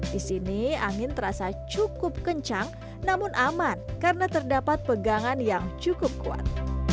di sini angin terasa cukup kencang namun aman karena terdapat pegangan yang cukup kuat